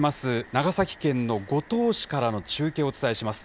長崎県の五島市からの中継をお伝えします。